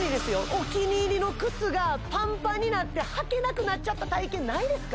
お気に入りの靴がパンパンになって履けなくなっちゃった体験ないですか？